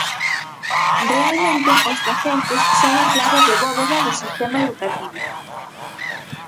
Realmente os docentes son a clave de bóveda do sistema educativo.